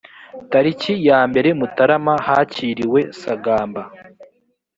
tariki ya mbere mutarama hakiriwe sagamba